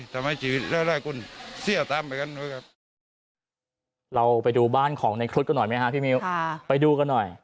ทำให้ชีวิตร่ายรายกลเสี้ยตามไปกันด้วยครับเราไปดูบ้านของในครุฑกันหน่อยไหมฮะพี่มิวค่ะไปดูกันหน่อย